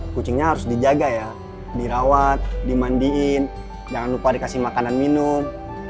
kucingnya harus dijaga ya dirawat dimandiin jangan lupa dikasih makanan minum